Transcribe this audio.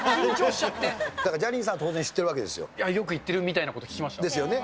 だからジャニーさんは当然知よく行ってるみたいなこと聞ですよね。